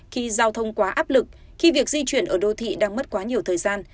khi giao thông quá áp lực khi việc di chuyển ở đô thị đang mất quá nhiều thời gian